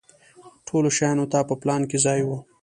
ټولو شیانو ته په پلان کې ځای و.